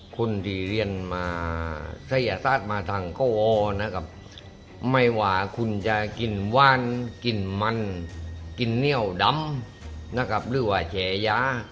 คนที่เรียนสัญญาตราศมาทางโก้อไม่ว่าจะกินว่านกินมันกินเนี่ยวดำหรือแฉย้